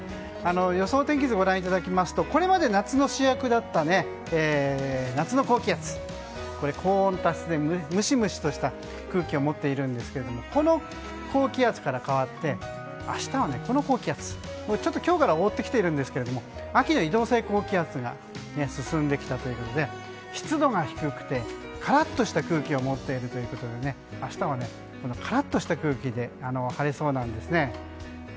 予想天気図をご覧いただきますとこれまで夏の主役だった夏の高気圧、高温多湿でムシムシとした空気を持っていますがこの高気圧から変わって明日はこの高気圧、今日から覆ってきているんですけど秋の移動性高気圧が進んできたということで湿度が低くカラッとした空気を持っているということで明日はカラッとした空気で晴れそうなんですね。